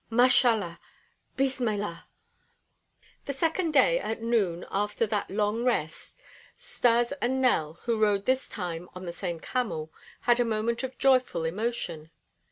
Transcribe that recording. Mashallah! Bismillah!" The second day at noon after that long rest, Stas and Nell who rode this time on the same camel, had a moment of joyful emotion.